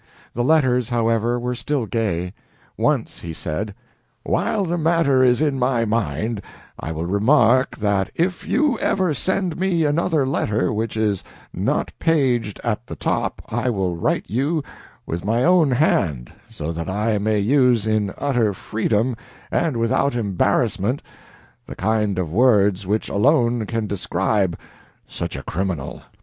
The letters, however, were still gay. Once he said: "While the matter is in my mind I will remark that if you ever send me another letter which is not paged at the top I will write you with my own hand, so that I may use in utter freedom and without embarrassment the kind of words which alone can describe such a criminal."